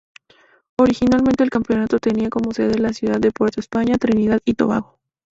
Originalmente, el campeonato tenía como sede la ciudad de Puerto España, Trinidad y Tobago.